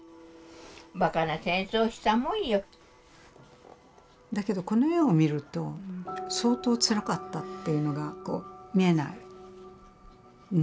バカな戦争したもんよ。だけどこの絵を見ると相当つらかったっていうのが見えない。